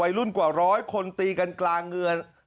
รุ่นกว่าร้อยคนตีกันกลางเงือน